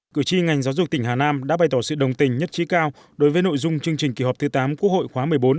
cử tri ngành giáo dục tỉnh hà nam đã bày tỏ sự đồng tình nhất trí cao đối với nội dung chương trình kỳ họp thứ tám quốc hội khóa một mươi bốn